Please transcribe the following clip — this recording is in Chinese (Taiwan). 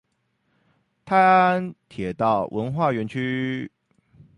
泰安鐵道文化園區